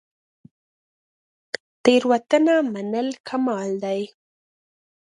تیروتنه منل کمال دی